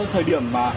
thời điểm mà